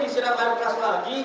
isi rambut lain lagi